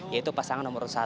yaitu pasangan nomor satu